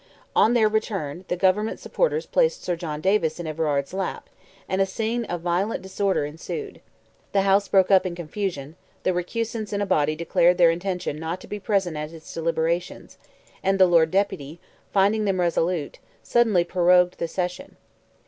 On their return the government supporters placed Sir John Davis in Everard's lap, and a scene of violent disorder ensued. The House broke up in confusion; the recusants in a body declared their intention not to be present at its deliberations, and the Lord Deputy, finding them resolute, suddenly prorogued the session.